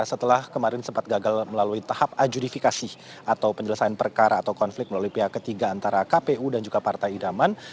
setelah kemarin sempat gagal melalui tahap ajudifikasi atau penyelesaian perkara atau konflik melalui pihak ketiga antara kpu dan juga partai idaman